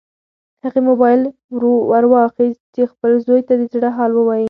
هغې موبایل ورواخیست چې خپل زوی ته د زړه حال ووایي.